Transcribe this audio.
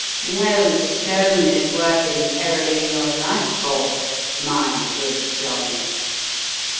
"No stone is worth (imperilling your life for, my good John."